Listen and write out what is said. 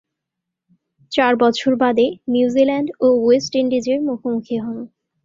চার বছর বাদে নিউজিল্যান্ড ও ওয়েস্ট ইন্ডিজের মুখোমুখি হন।